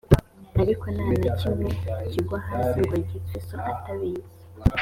ariko nta na kimwe kigwa hasi ngo gipfe so atabizi